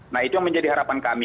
nah itu yang menjadi harapan kami